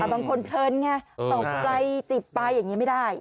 บางคนเพลินไงตกใจจีบไปอย่างนี้ไม่ได้